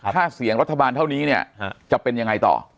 ถ้าเสียงรัฐบาลเท่านี้เนี่ยจะเป็นยังไงต่อ